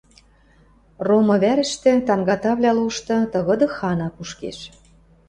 Ромы вӓрӹштӹ, тангатавлӓ лошты, тыгыды хана кушкеш.